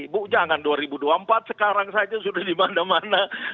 bu jangan dua ribu dua puluh empat sekarang saja sudah dimana mana